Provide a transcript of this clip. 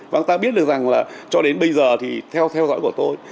và người ta biết được rằng là cho đến bây giờ thì theo theo dõi của tôi